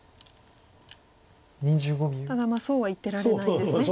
ただそうは言ってられないですね。